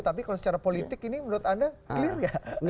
tapi kalau secara politik ini menurut anda clear nggak